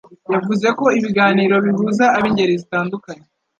yavuze ko ibiganiro bihuza ab'ingeri zitandukanye